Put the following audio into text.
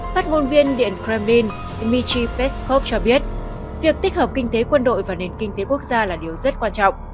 phát ngôn viên điện kremlin dmitry peskov cho biết việc tích hợp kinh tế quân đội và nền kinh tế quốc gia là điều rất quan trọng